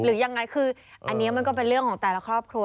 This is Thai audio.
หรือยังไงคืออันนี้มันก็เป็นเรื่องของแต่ละครอบครัว